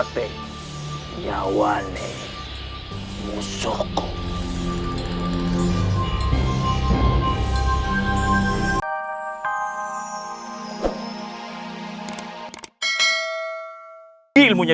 tidak usah dikejar